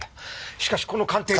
しかしこの鑑定で。